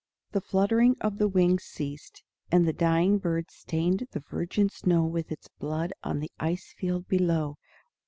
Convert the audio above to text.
The fluttering of the wings ceased, and the dying bird stained the virgin snow with its blood on the ice field below.